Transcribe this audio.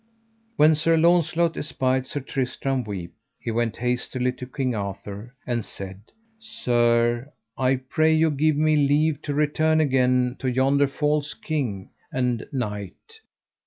When Sir Launcelot espied Sir Tristram weep he went hastily to King Arthur, and said: Sir, I pray you give me leave to return again to yonder false king and knight.